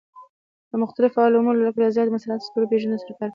له مختلفو علومو لکه ریاضیات، صنعت، ستوري پېژندنه سره کار کوي.